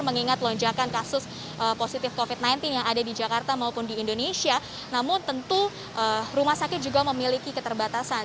mengingat lonjakan kasus positif covid sembilan belas yang ada di jakarta maupun di indonesia namun tentu rumah sakit juga memiliki keterbatasan